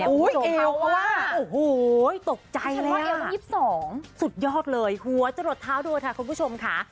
โอ้โหเอวเขาว่าโอ้โหตกใจเลยเอว๒๒สุดยอดเลยหัวจะหลดเท้าด้วยค่ะคุณผู้ชมค่ะ